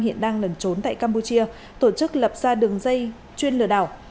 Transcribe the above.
hiện đang lẩn trốn tại campuchia tổ chức lập ra đường dây chuyên lừa đảo